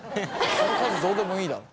その数どうでもいいだろ。